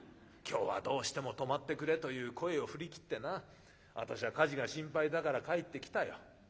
今日はどうしても泊まってくれという声を振り切ってな私は火事が心配だから帰ってきたよ。